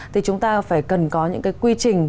thì chúng ta phải cần có những cái quy trình